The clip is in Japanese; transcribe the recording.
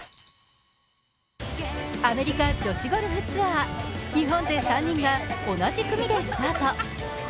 アメリカ女子ゴルフツアー日本勢３人が同じ組でスタート。